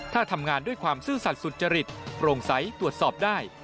ถ้าทำงานด้วยความซื่อสัตว์สุจริตโปร่งใสตรวจสอบได้